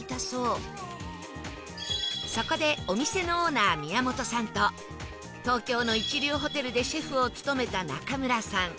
そこでお店のオーナー宮本さんと東京の一流ホテルでシェフを務めた仲村さん